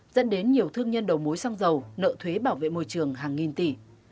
dẫn đến nhiều thương nhân đầu mối xăng dầu nợ thuế bảo vệ môi trường hàng nghìn tỷ